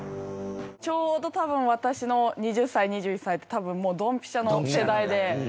ちょうど、多分、私の２０歳、２１歳って多分、もうドンピシャの世代で。